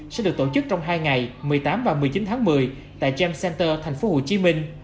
sẽ được tổ chức trong hai ngày một mươi tám và một mươi chín tháng một mươi tại jem center thành phố hồ chí minh